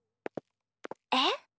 えっ？